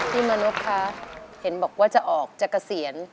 พี่มนุษย์ค่ะเห็นบอกว่าจะออกจะเกษียณ